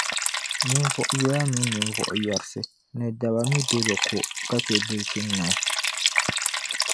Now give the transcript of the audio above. ninvuɣ’ yoya mini ninvuɣ’ yarisi ni daba mi be bɛ ko ka chɛ bilichinnima.